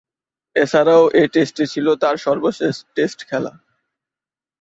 এছাড়াও, এ টেস্টটি ছিল তার সর্বশেষ টেস্ট খেলা।